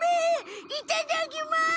いただきます！